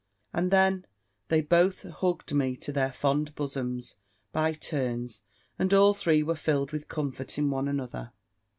And then they both hugged me to their fond bosoms, by turns; and all three were filled with comfort in one another.